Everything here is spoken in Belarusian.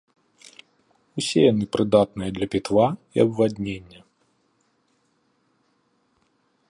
Усе яны прыдатныя для пітва і абваднення.